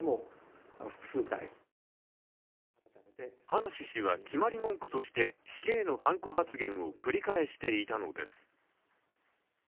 葉梨氏は決まり文句として、死刑のはんこ発言を繰り返していたのです。